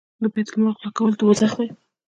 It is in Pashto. د بیت المال غلا کول دوزخ دی.